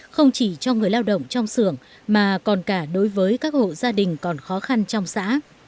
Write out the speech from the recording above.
không chỉ cho người lao động trong xưởng mà còn cả đối với các hộ gia đình còn khó khăn trong xã